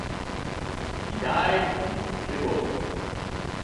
He died in Tivoli.